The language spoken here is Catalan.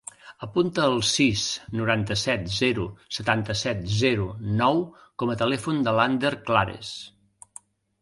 Apunta el sis, noranta-set, zero, setanta-set, zero, nou com a telèfon de l'Ander Clares.